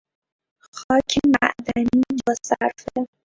خاک معدنی با صرفه